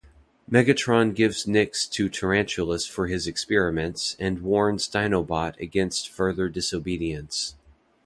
Megatron gives Nyx to Tarantulas for his experiments and warns Dinobot against further disobedience.